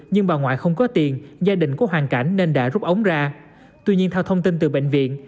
tuy nhiên theo thông tin từ bệnh viện